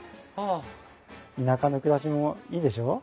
田舎の暮らしもいいでしょう？